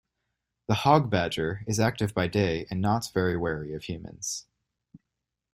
The hog badger is active by day and not very wary of humans.